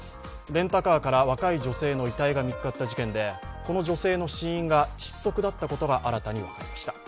レンタカーから若い女性の遺体が見つかった事件でこの女性の死因が窒息だったことが新たに分かりました。